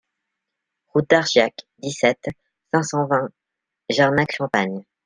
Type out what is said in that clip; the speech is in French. Route d'Archiac, dix-sept, cinq cent vingt Jarnac-Champagne